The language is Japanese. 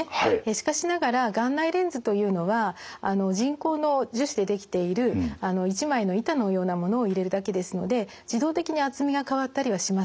しかしながら眼内レンズというのは人工の樹脂で出来ている一枚の板のようなものを入れるだけですので自動的に厚みが変わったりはしません。